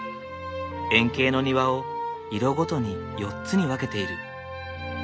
円形の庭を色ごとに４つに分けている。